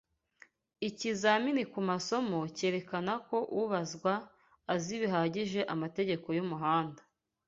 ikizamini ku masomo cyerakana ko ubazwa azi bihagije amategeko y'umuhanda